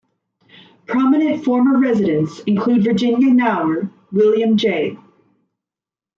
Prominent former residents include Virginia Knauer, William J.